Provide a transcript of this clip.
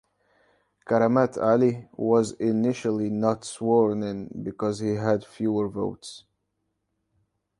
Karamat Ali was initially not sworn in because he had fewer votes.